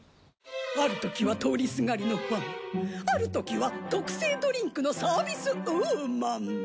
あるときは通りすがりのファンあるときは特製ドリンクのサービスウーマン。